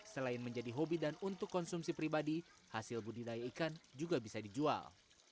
selain menjadi hobi dan untuk konsumsi pribadi hasil budidaya ikan juga bisa dijual